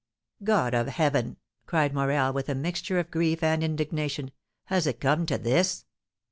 "God of heaven!" cried Morel, with a mixture of grief and indignation, "has it come to this?"